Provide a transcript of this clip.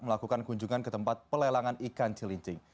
melakukan kunjungan ke tempat pelelangan ikan cilincing